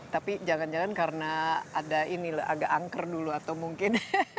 tapi jangan jangan karena ada ini loh agak angker dulu atau mungkin